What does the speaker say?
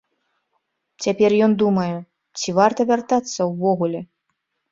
Цяпер ён думае, ці варта вяртацца ўвогуле.